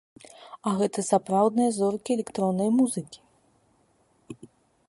А гэта сапраўдныя зоркі электроннай музыкі!